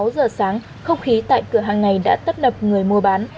sáu giờ sáng không khí tại cửa hàng này đã tấp nập người mua bán